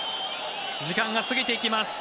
時間が過ぎていきます。